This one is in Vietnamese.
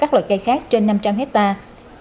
các loại cây khác trên năm trăm linh hectare